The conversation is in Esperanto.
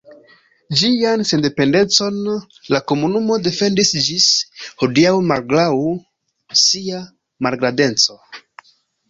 Ĝian sendependecon la komunumo defendis ĝis hodiaŭ malgraŭ sia malgrandeco.